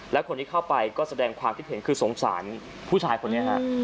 และคนที่เข้าไปก็แสดงความคิดเห็นคือสงสารผู้ชายคนนี้ฮะ